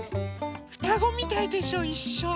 ふたごみたいでしょいっしょ。